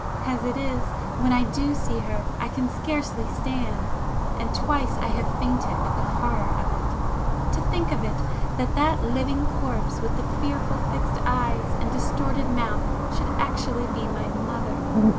As it is, when I do see her I can scarcely stand—and twice I have fainted with the horror of it. To think of it!—that that living corpse with the fearful fixed eyes and distorted mouth should actually be my mother!"